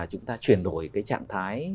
chúng ta chuyển đổi cái trạng thái